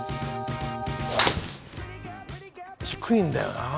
低いんだよな。